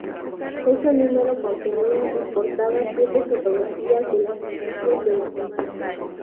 Ese número contenía en portada siete fotografías de las noticias de la semana.